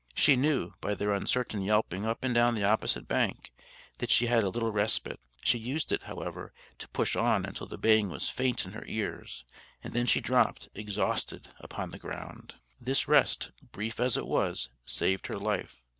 She knew, by their uncertain yelping up and down the opposite bank, that she had a little respite; she used it, however, to push on until the baying was faint in her ears; and then she dropped, exhausted, upon the ground. This rest, brief as it was, saved her life.